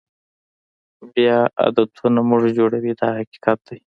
بیا عادتونه موږ جوړوي دا حقیقت دی.